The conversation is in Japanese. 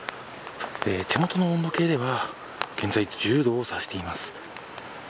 手元の温度計では現在、１０度を指しています。